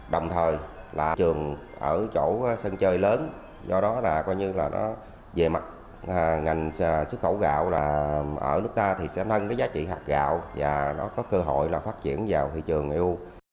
đồng thời là thị trường ở chỗ sân chơi lớn do đó là coi như là nó về mặt ngành xuất khẩu gạo là ở nước ta thì sẽ nâng cái giá trị hạt gạo và nó có cơ hội là phát triển vào thị trường eu